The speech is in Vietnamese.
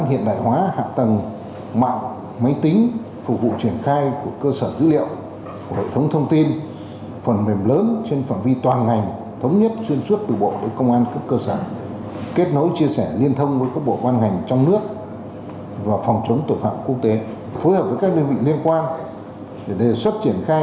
hiện các đơn vị của hai bộ đã có buổi làm việc để thống nhất phương án kết nối đối với hai người dữ liệu quan trọng này